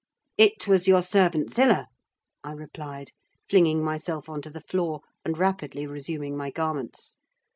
"It was your servant Zillah," I replied, flinging myself on to the floor, and rapidly resuming my garments.